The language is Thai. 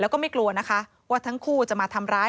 แล้วก็ไม่กลัวนะคะว่าทั้งคู่จะมาทำร้าย